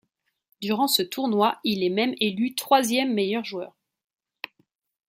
Durant ce tournoi il est même élu troisième meilleur joueur.